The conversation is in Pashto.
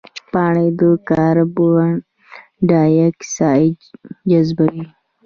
پاڼې د کاربن ډای اکساید جذبوي